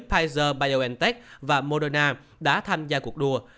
pfizer biontech và moderna đã tham gia cuộc đua